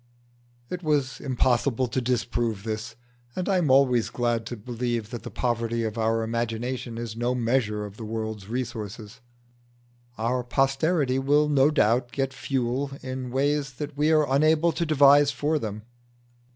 It was impossible to disprove this, and I am always glad to believe that the poverty of our imagination is no measure of the world's resources. Our posterity will no doubt get fuel in ways that we are unable to devise for them.